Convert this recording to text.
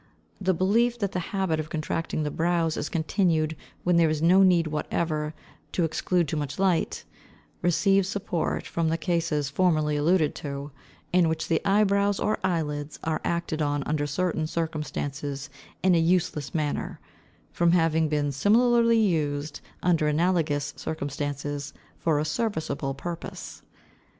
The belief that the habit of contracting the brows is continued when there is no need whatever to exclude too much light, receives support from the cases formerly alluded to, in which the eyebrows or eyelids are acted on under certain circumstances in a useless manner, from having been similarly used, under analogous circumstances, for a serviceable purpose.